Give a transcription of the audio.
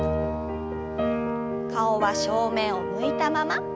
顔は正面を向いたまま。